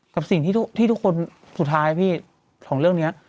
กับสิ่งที่ทุกคนสุดท้ายพี่ของเรื่องนี้